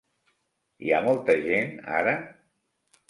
Hi ha molta gent ara?